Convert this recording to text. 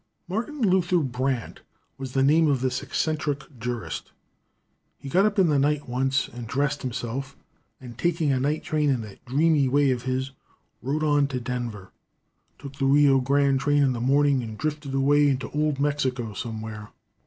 Martin Luther Brandt was the name of this eccentric jurist. He got up in the night once, and dressed himself, and taking a night train in that dreamy way of his, rode on to Denver, took the Rio Grande train in the morning and drifted away into old Mexico somewhere.